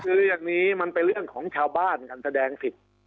คือเรื่องนี้มันเป็นเรื่องของชาวบ้านการแสดงสิทธิ์